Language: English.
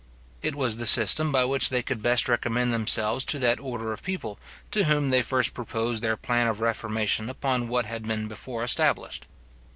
It was the system by which they could best recommend themselves to that order of people, to whom they first proposed their plan of reformation upon what had been before established.